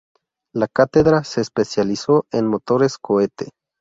La cátedra se especializó en motores cohete.